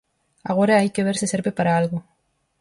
Agora hai que ver se serve para algo.